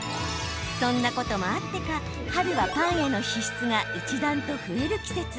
そんなこともあってか、春はパンへの支出が一段と増える季節。